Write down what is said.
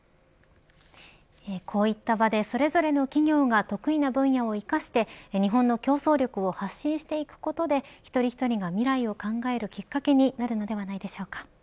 こういった場で、それぞれの企業が得意な分野を生かして日本の競争力を発信していくことで一人一人が未来を考えるきっかけになるのではないでしょうか。